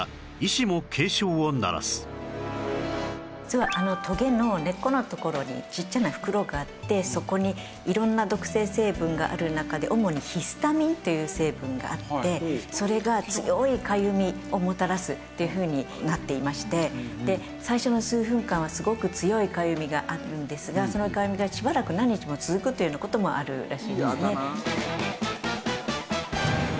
実はあのトゲの根っこのところにちっちゃな袋があってそこに色んな毒性成分がある中で主にヒスタミンという成分があってそれが強いかゆみをもたらすというふうになっていまして最初の数分間はすごく強いかゆみがあるんですがそのかゆみがしばらく何日も続くというような事もあるらしいですね。